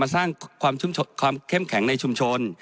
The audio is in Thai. สร้างความเข้มแข็งในชุมชน